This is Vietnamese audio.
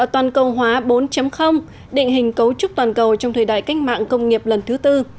toàn cầu hóa bốn định hình cấu trúc toàn cầu trong thời đại cách mạng công nghiệp lần thứ tư